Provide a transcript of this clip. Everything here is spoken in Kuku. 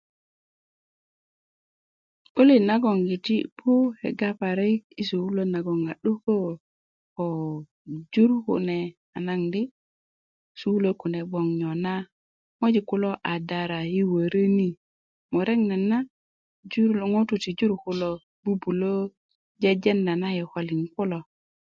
'bulit naŋgogiti i pu kega parik i sukuluwöt na 'duko ko jur kune a naŋ di sukuluwöt kune gboŋ nyona ŋwajik kulo a dara yi wörö ni murek nayit na jur lo ŋutuu ti jur kulo 'bulö jejenda na kikolin kulo